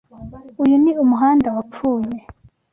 Uyu ni umuhanda wapfuye.